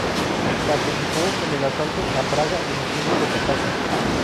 Participó en el asalto a Praga dirigiendo los ataques.